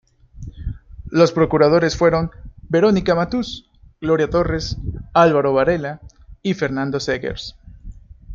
Los procuradores fueron: Verónica Matus, Gloria Torres, Álvaro Varela y Fernando Zegers.